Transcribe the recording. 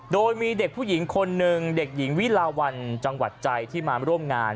โดยมีเด็กผู้หญิงคนหนึ่งเด็กหญิงวิลาวันจังหวัดใจที่มาร่วมงาน